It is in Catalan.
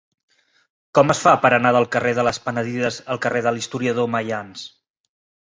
Com es fa per anar del carrer de les Penedides al carrer de l'Historiador Maians?